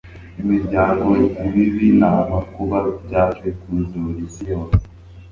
imiryango ibibi namakuba byaje kuzura isi yose